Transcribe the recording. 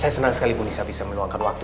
saya senang sekali ibu nisa bisa meluangkan waktu